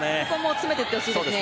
詰めていってほしいです。